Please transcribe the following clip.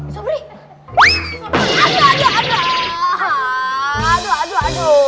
siapa gak berani lawan aku